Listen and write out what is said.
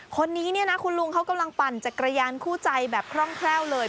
คนนี้เนี่ยนะคุณลุงเขากำลังปั่นจักรยานคู่ใจแบบคร่องแคล่วเลย